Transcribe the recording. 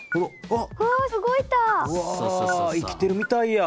わ生きてるみたいや。